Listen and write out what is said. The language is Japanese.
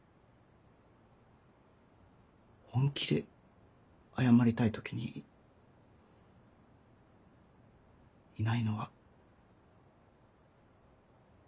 本気で謝りたい時にいないのは。